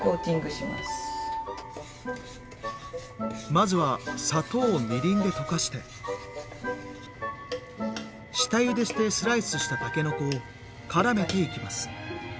まずは砂糖をみりんで溶かして下ゆでしてスライスしたたけのこをからめていきます。